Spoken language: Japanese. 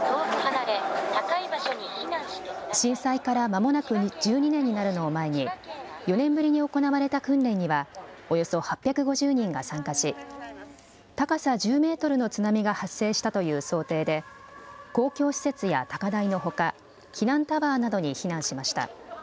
震災からまもなく１２年になるのを前に４年ぶりに行われた訓練にはおよそ８５０人が参加し高さ１０メートルの津波が発生したという想定で公共施設や高台のほか避難タワーなどに避難しました。